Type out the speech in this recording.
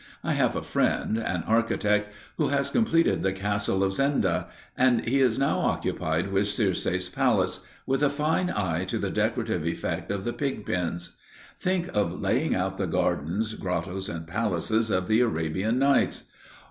I have a friend, an architect, who has completed the Castle of Zenda, and he is now occupied with Circe's palace, with a fine eye to the decorative effect of the pig pens. Think of laying out the gardens, grottoes, and palaces of the Arabian Nights!